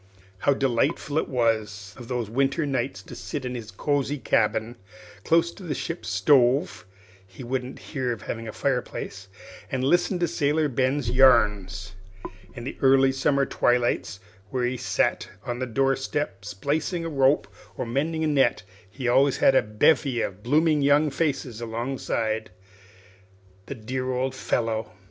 How delightful it was of winter nights to sit in his cosey cabin, close to the ship's stove (he wouldn't hear of having a fireplace), and listen to Sailor Ben's yarns! In the early summer twilights, when he sat on the door step splicing a rope or mending a net, he always had a bevy of blooming young faces alongside. The dear old fellow!